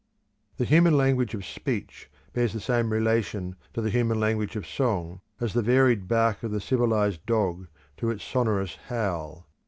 The human language of speech bears the same relation to the human language of song as the varied bark of the civilised dog to its sonorous howl.